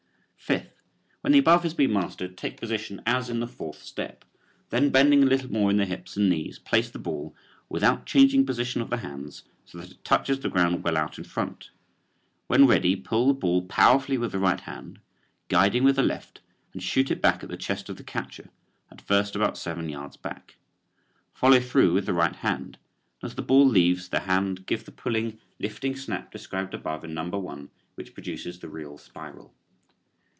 Fifth: When the above has been mastered take position as in the fourth step, then bending a little more in the hips and knees place the ball, without changing position of the hands, so that it touches the ground well out in front. When ready pull the ball powerfully with the right hand, guiding with the left, and shoot it back at the chest of the catcher, at first about seven yards back. Follow through with the right hand and as the ball leaves the hand give the pulling, lifting snap described above in number one which produces the real spiral.